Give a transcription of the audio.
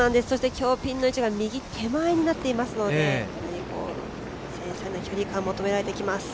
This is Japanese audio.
今日はピンの位置が右手前になっていますので繊細な距離感を求められてきます。